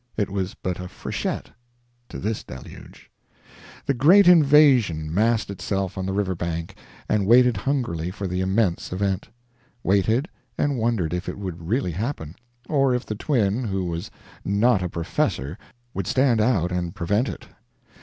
It was but a freshet to this deluge. The great invasion massed itself on the river bank and waited hungrily for the immense event. Waited, and wondered if it would really happen, or if the twin who was not a "professor" would stand out and prevent it.